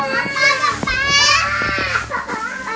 มันเป็นพ่อ